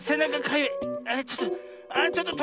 ちょっと。